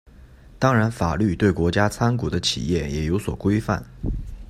当然法律对国家参股的企业也有所规范。